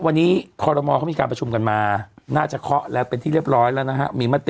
วันนี้คอรมอลเขามีการประชุมกันมาน่าจะเคาะแล้วเป็นที่เรียบร้อยแล้วนะฮะมีมติ